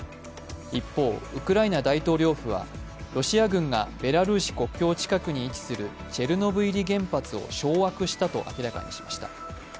一方、ウクライナ大統領府はロシア軍がベラルーシ国境付近に位置するチェルノブイリ原発を掌握したと明らかにしました。